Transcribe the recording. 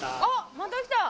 また来た！